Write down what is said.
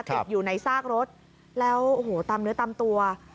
ติดอยู่ในซากรถแล้วโอ้โหตามเนื้อตามตัว